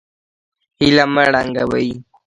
هیله مه ړنګوئ